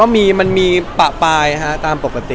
มันมีปะปลายตามปกติ